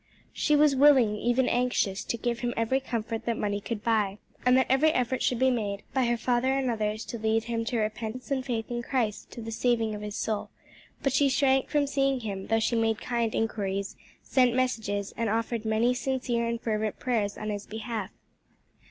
She was willing, even anxious to give him every comfort that money could buy, and that every effort should be made by her father and others to lead him to repentance and faith in Christ to the saving of his soul; but she shrank from seeing him, though she made kind inquiries, sent messages, and offered many sincere and fervent prayers on his behalf.